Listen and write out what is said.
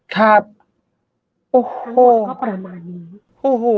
ทั้งหมดก็ประมาณนี้